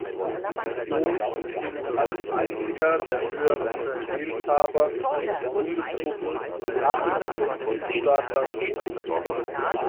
Division und hielt als einziger der höheren Befehlshaber der Bundestruppen den nachrückenden Südstaatlern stand.